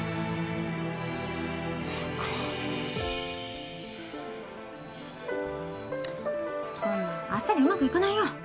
そうかそんなあっさりうまくいかないよ